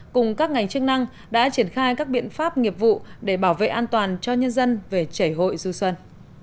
cùng các ngành chức năng đã triển khai các biện pháp nghiệp vụ để bảo vệ an toàn cho nhân dân về chảy hội du xuân